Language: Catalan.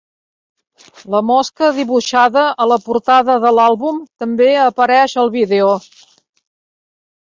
La mosca dibuixada a la portada de l'àlbum també apareix al vídeo.